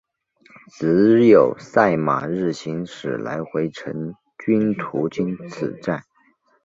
只在赛马日行驶来回程均途经此站。